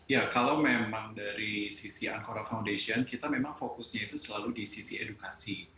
ya kalau memang dari sisi ancora foundation kita memang fokusnya itu selalu di sisi edukasi